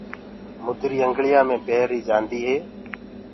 مُدري انگݪِيآ مي پيريٚ جآنٚديٚ هي